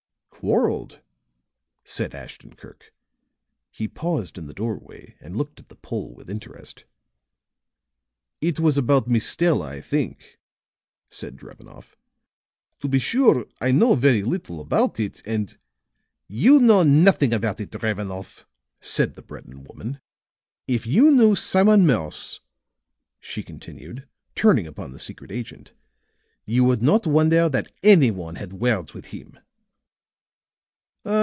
"Quarreled!" said Ashton Kirk. He paused in the doorway and looked at the Pole with interest. "It was about Miss Stella, I think," said Drevenoff. "To be sure I know very little about it, and " "You know nothing about it, Drevenoff," said the Breton woman. "If you knew Simon Morse," she continued, turning upon the secret agent, "you would not wonder that any one had words with him."